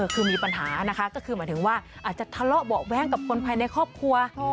คือมีปัญหานะคะก็คือหมายถึงว่าอาจจะทะเลาะเบาะแว้งกับคนภายในครอบครัว